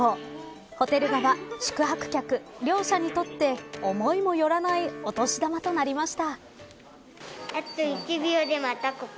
ホテル側、宿泊客、両者にとって思いもよらないお年玉となりました。